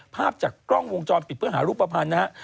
ภาพจากกล้องวงจรปิดเพื่อหารูปภัณฑ์นะฮะ